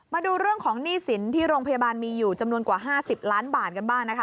มาดูเรื่องของหนี้สินที่โรงพยาบาลมีอยู่จำนวนกว่า๕๐ล้านบาทกันบ้างนะคะ